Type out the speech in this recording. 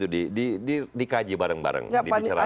dikaji bareng bareng dibicarakan